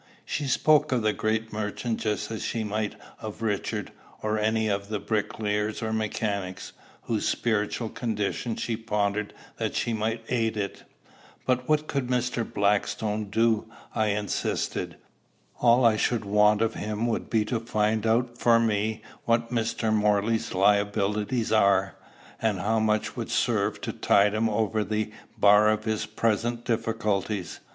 She spoke of the great merchant just as she might of Richard, or any of the bricklayers or mechanics, whose spiritual condition she pondered that she might aid it. "But what could Mr. Blackstone do?" I insisted. "All I should want of him would be to find out for me what Mr. Morley's liabilities are, and how much would serve to tide him over the bar of his present difficulties.